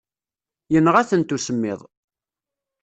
Yenɣa-tent usemmiḍ.